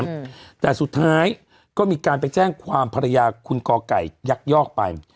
เขาว่าอย่างนั้นแต่สุดท้ายก็มีการไปแจ้งความภรรยาคุณกไก่ยักยอกไป